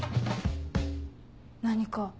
何か？